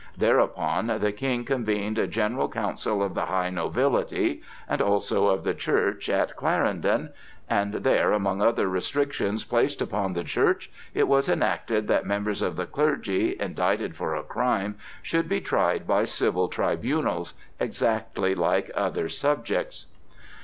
Thereupon the King convened a general council of the high nobility and also of the Church at Clarendon, and there, among other restrictions placed upon the Church, it was enacted that members of the clergy indicted for a crime should be tried by civil tribunals, exactly like other subjects.